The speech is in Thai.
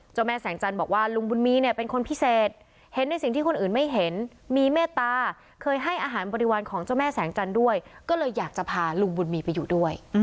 แม่แสงจันทร์บอกว่าลุงบุญมีเนี่ยเป็นคนพิเศษเห็นในสิ่งที่คนอื่นไม่เห็นมีเมตตาเคยให้อาหารบริวารของเจ้าแม่แสงจันทร์ด้วยก็เลยอยากจะพาลุงบุญมีไปอยู่ด้วย